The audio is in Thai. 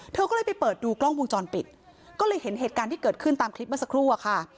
เธอก็เลยไปเปิดดูกล้องวงจรปิดก็เลยเห็นเหตุการณ์ที่เกิดขึ้นตามคลิปเมื่อสักครู่อะค่ะ